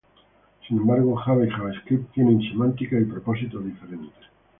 Sin embargo, Java y JavaScript tienen semánticas y propósitos diferentes.